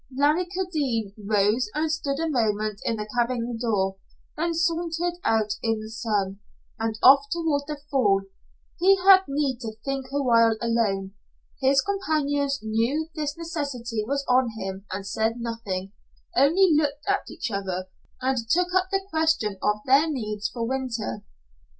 Larry Kildene rose and stood a moment in the cabin door, then sauntered out in the sun, and off toward the fall. He had need to think a while alone. His companions knew this necessity was on him, and said nothing only looked at each other, and took up the question of their needs for the winter.